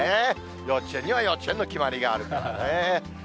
幼稚園には幼稚園の決まりがあるからね。